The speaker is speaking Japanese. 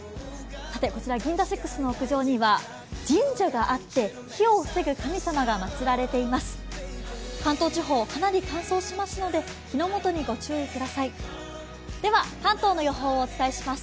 こちらＧＩＮＺＡＳＩＸの屋上には神社があって火を防ぐ神様が祭られています。